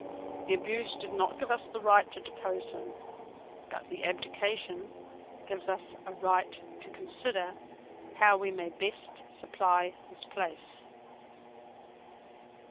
The abuse did not give us a right to depose him: but the abdication gives us a right to consider how we may best supply his place.